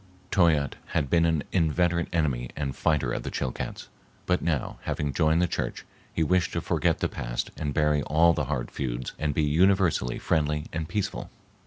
Toyatte had been an inveterate enemy and fighter of the Chilcats, but now, having joined the church, he wished to forget the past and bury all the hard feuds and be universally friendly and peaceful.